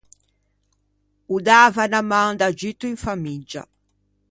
O dava unna man d’aggiutto in famiggia.